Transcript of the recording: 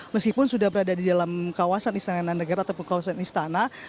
meskipun sudah berada di dalam kawasan istana negara ataupun kawasan istana